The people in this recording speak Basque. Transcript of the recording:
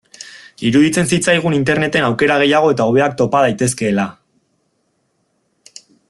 Iruditzen zitzaigun Interneten aukera gehiago eta hobeak topa daitezkeela.